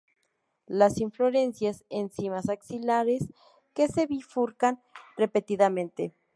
Las inflorescencias en cimas axilares, que se bifurcan repetidamente.